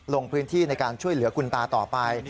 ลงพื้นที่ในการช่วยเหลือคุณตาต่อไป